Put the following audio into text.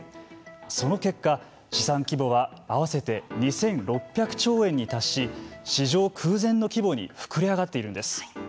その結果、資産規模は合わせて２６００兆円に達し史上空前の規模に膨れ上がっているのです。